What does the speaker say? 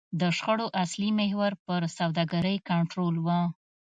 د شخړو اصلي محور پر سوداګرۍ کنټرول و.